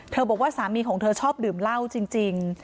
บอกว่าสามีของเธอชอบดื่มเหล้าจริง